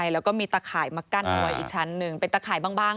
แล้วก็มีตะข่ายมากั้นเอาไว้อีกชั้นหนึ่งเป็นตะข่ายบ้าง